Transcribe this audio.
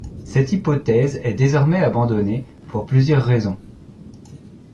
Cette hypothèse est désormais abandonnée pour plusieurs raisons.